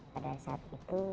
pada saat itu